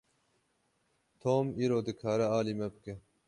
Tom îro dikare alî me bike.